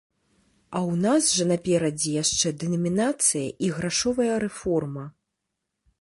А ў нас жа наперадзе яшчэ дэнамінацыя і грашовая рэформа.